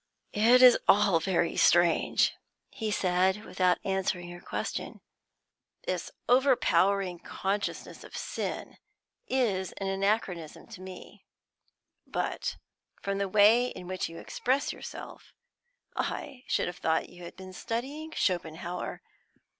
"It is all very strange," he said, without answering her question. "This overpowering consciousness of sin is an anachronism in our time. But, from the way in which you express yourself, I should have thought you had been studying Schopenhauer.